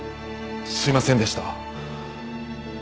すいませんでした！